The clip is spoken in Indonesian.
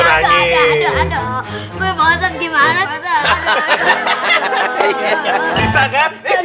ada aduh aduh